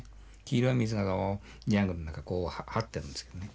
黄色い水がジャングルの中こうはってるんですけどね。